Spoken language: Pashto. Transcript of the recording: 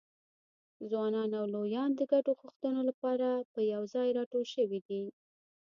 ځوانان او لویان د ګډو غوښتنو لپاره په یوځایي راټول شوي دي.